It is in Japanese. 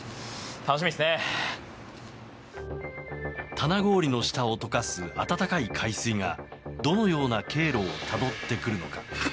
棚氷の下を解かす暖かい海水がどのような経路をたどってくるのか。